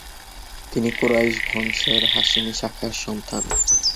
তিনি কুরাইশ বংশের হাশেমি শাখার সন্তান।